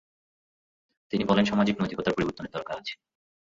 তিনি বলেন, সামাজিক নৈতিকতার পরিবর্তনের দরকার আছে।